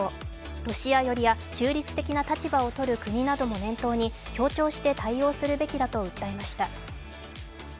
ロシア寄りや中立的な立場をとる国なども念頭に協調して対応するべきだと訴えました。